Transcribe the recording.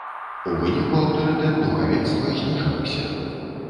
У выніку аўтарытэт духавенства зніжаўся.